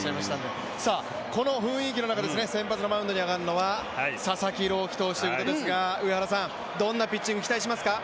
この雰囲気の中、先発のマウンドに上がるのは佐々木朗希投手ですがどんなピッチング期待しますか？